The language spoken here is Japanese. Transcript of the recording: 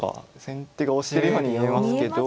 先手が押してるように見えますけど。